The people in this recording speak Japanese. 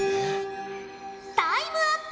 タイムアップ。